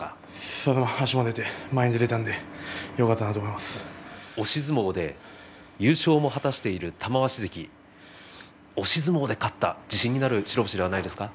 足も出て前に押し相撲で優勝も果たしている玉鷲関、押し相撲で勝った自信になる白星ではないですか？